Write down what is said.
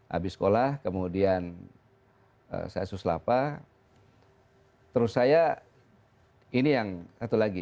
habis sekolah kemudian saya suslapa terus saya ini yang satu lagi